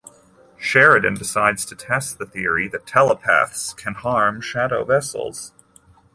Sheridan decides to test the theory that telepaths can harm Shadow vessels.